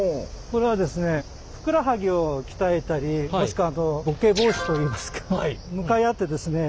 これはですねふくらはぎを鍛えたりもしくはボケ防止といいますか向かい合ってですね